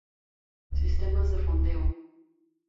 Sistemas de fondeo.